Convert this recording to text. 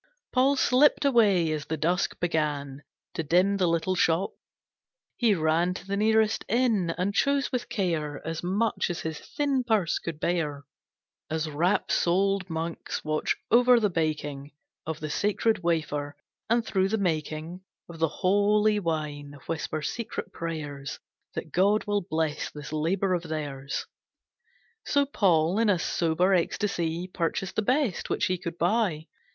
Paul slipped away as the dusk began To dim the little shop. He ran To the nearest inn, and chose with care As much as his thin purse could bear. As rapt souled monks watch over the baking Of the sacred wafer, and through the making Of the holy wine whisper secret prayers That God will bless this labour of theirs; So Paul, in a sober ecstasy, Purchased the best which he could buy.